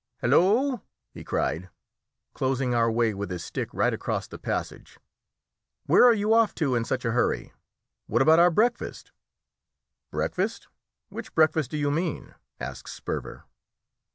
"Halloo!" he cried, closing our way with his stick right across the passage; "where are you off to in such a hurry? What about our breakfast?" "Breakfast! which breakfast do you mean?" asked Sperver.